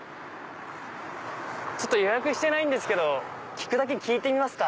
予約してないんですけど聞くだけ聞いてみますか。